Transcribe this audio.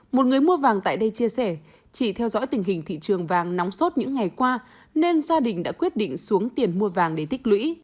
một người mua vàng tại đây chia sẻ chỉ theo dõi tình hình thị trường vàng nóng sốt những ngày qua nên gia đình đã quyết định xuống tiền mua vàng để tích lũy